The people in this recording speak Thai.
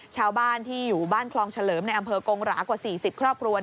ชาวบ้านที่อยู่บ้านคลองเฉลิมในอำเภอกงหรากว่า๔๐ครอบครัว